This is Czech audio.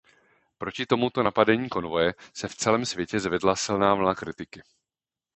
Proti tomuto napadení konvoje se v celém světě zvedla silná vlna kritiky.